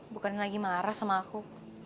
bukan lagi marah sama aku